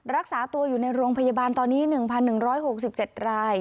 รักษาตัวอยู่ในโรงพยาบาลตอนนี้๑๑๖๗ราย